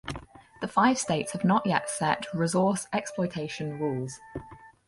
The five states have not yet set resource exploitation rules.